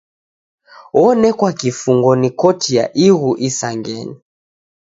Onekwa kifungo ni Koti ya Ighu Isangenyi.